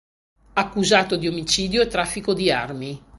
Accusato di omicidio e traffico di armi.